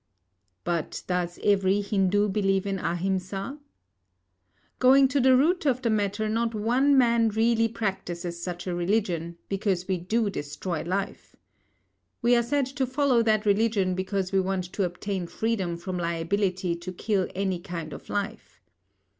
But does every Hindu believe in Ahimsa? Going to the root of the matter, not one man really practises such a religion, because we do destroy life. We are said to follow that religion because we want to obtain freedom from liability to kill any kind of life.